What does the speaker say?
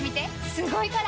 すごいから！